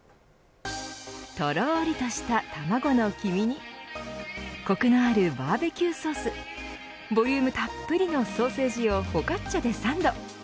とろりとした卵の黄身にこくのあるバーベキューソースボリュームたっぷりのソーセージをフォカッチャでサンド。